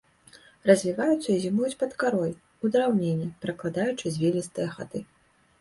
Развіваюцца і зімуюць пад карой, у драўніне, пракладаючы звілістыя хады.